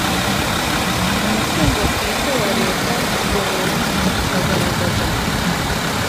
umutungo bwite wa leta ku buntu akagaragaza